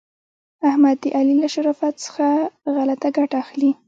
احمد د علي له شرافت څخه غلته ګټه اخلي.